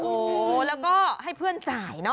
โอ้โหแล้วก็ให้เพื่อนจ่ายเนอะ